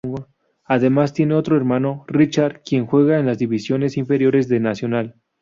Además, tiene otro hermano, Richard, quien juega en las divisiones inferiores de Nacional.